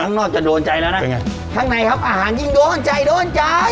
ข้างนอกจะโดนใจแล้วนะยังไงข้างในครับอาหารยิ่งโดนใจโดนใจ